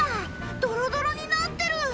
ドロドロになってる！